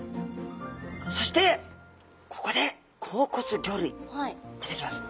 そしてここで硬骨魚類出てきます。